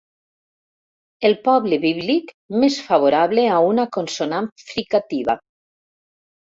El poble bíblic més favorable a una consonant fricativa.